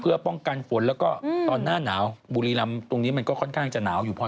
เพื่อป้องกันฝนแล้วก็ตอนหน้าหนาวบุรีรำตรงนี้มันก็ค่อนข้างจะหนาวอยู่พอ